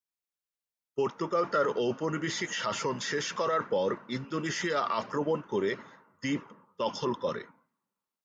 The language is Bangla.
পর্তুগাল তার ঔপনিবেশিক শাসন শেষ করার পর, ইন্দোনেশিয়া আক্রমণ করে দ্বীপ দখল করে।